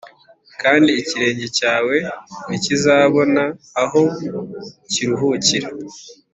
kandi ikirenge cyawe ntikizabona aho kiruhukira.